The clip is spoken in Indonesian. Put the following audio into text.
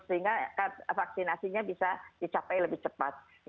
sehingga vaksinasinya bisa dicapai lebih cepat